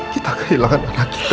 kita kehilangan anak kita